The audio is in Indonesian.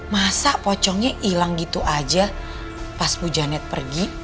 masa pocongnya ilang gitu aja pas bu janet pergi